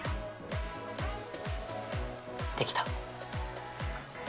できた。